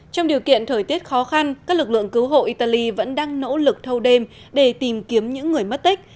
trong điều kiện thời tiết khó khăn các lực lượng cứu hộ italy vẫn đang nỗ lực thâu đêm để tìm kiếm những người mất tích